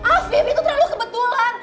afif itu terlalu kebetulan